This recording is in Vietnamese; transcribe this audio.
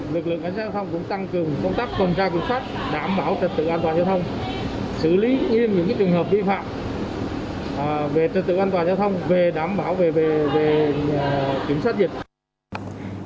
lực lượng cảnh sát giao thông cũng tăng cường công tác tuần tra kiểm soát đảm bảo trật tự an toàn giao thông xử lý nghiêm những trường hợp vi phạm về trật tự an toàn giao thông về đảm bảo về kiểm soát dịch